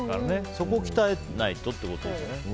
そこを鍛えないとってことですね。